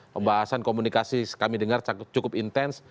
pembahasan komunikasi kami dengar cukup intens